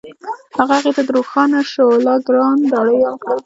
هغه هغې ته د روښانه شعله ګلان ډالۍ هم کړل.